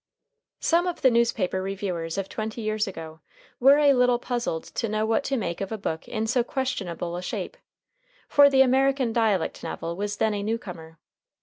Some of the newspaper reviewers of twenty years ago were a little puzzled to know what to make of a book in so questionable a shape, for the American dialect novel was then a new comer.